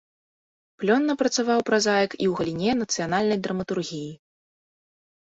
Плённа працаваў празаік і ў галіне нацыянальнай драматургіі.